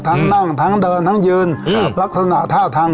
นั่งทั้งเดินทั้งยืนลักษณะท่าทาง